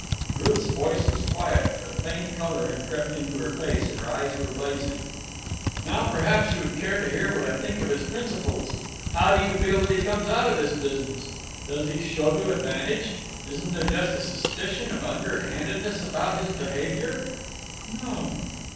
Ruth's voice was quiet, but a faint colour had crept into her face and her eyes were blazing. "Now perhaps you would care to hear what I think of his principles. How do you feel that he comes out of this business? Does he show to advantage? Isn't there just a suspicion of underhandedness about his behaviour?" "No."